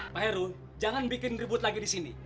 pak heru jangan bikin ribut lagi di sini